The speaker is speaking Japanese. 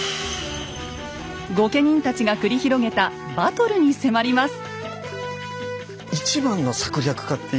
御家人たちが繰り広げたバトルに迫ります。